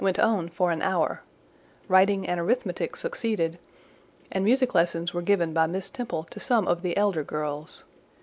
went on for an hour; writing and arithmetic succeeded, and music lessons were given by Miss Temple to some of the elder girls.